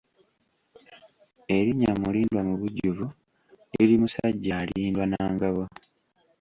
Erinnya Mulindwa mu bujjuvu liri Musajja alindwa na ngabo.